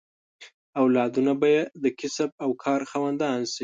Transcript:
اولادونه به یې د کسب او کار خاوندان شي.